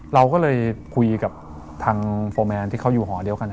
เราก็เลยคุยกับทางโฟร์แมนที่เขาอยู่หอเดียวกัน